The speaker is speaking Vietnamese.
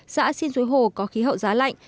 xã sinh suối hồ có khí hậu giá lạnh